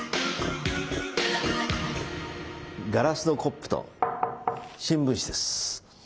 ガラスのコップと新聞紙です。